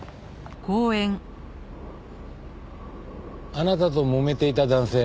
あなたともめていた男性